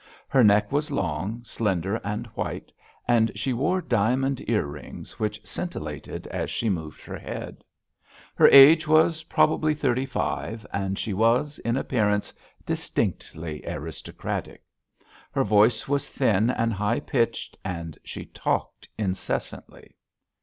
Her neck was long, slender and white, and she wore diamond ear rings, which scintillated as she moved her head. Her age was probably thirty five, and she was, in appearance, distinctly aristocratic. Her voice was thin and high pitched, and she talked incessantly.